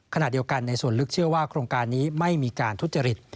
ขณะเดียวกันในส่วนลึกเชื่อว่าโครงการนี้ไม่มีการทุจริต